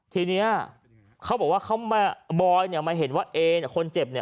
ทีนี้เขาบอกว่าบอยค่ะเขามาเห็นว่าเนเอคนเจ็บเนี่ย